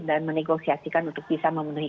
dan menegosiasikan untuk bisa memenuhi